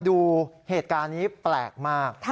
ดูเหตุการณ์นี้แปลกมาก